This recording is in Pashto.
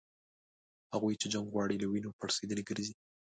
هغوی چي جنګ غواړي له وینو پړسېدلي ګرځي